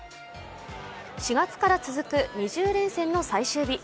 ４月から続く２０連戦の最終日。